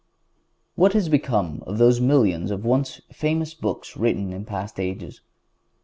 What has become of those millions of once famous books written in past ages?